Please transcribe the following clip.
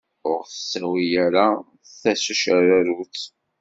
Ur ɣ-ttawi ara d tacerrarutt.